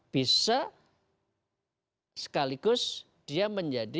bisa sekaligus dia menjadi